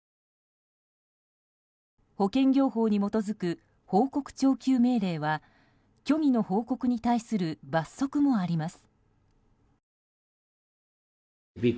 保険業法に基づく報告徴求命令は虚偽の報告に対する罰則もあります。